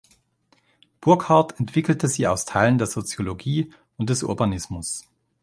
Burckhardt entwickelte sie aus Teilen der Soziologie und des Urbanismus.